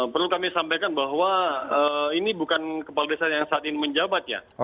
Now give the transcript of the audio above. perlu kami sampaikan bahwa ini bukan kepala desa yang saat ini menjabat ya